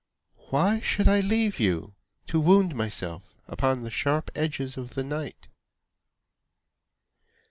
Why should I leave you, To wound myself upon the sharp edges of the night?